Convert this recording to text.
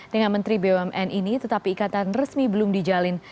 dengan menteri bumn ini tetapi ikatan resmi belum dijalin